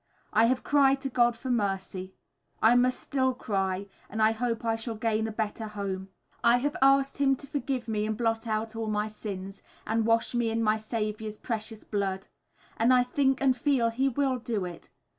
I have cried to God for mercy; I must still cry, and I hope I shall gain a better home. I have asked Him to forgive me and blot out all my sins, and wash me in my Saviour's precious blood; and I think and feel He will do it.